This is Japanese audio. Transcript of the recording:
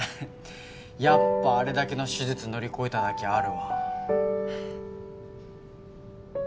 やっぱあれだけの手術乗り越えただけあるわ。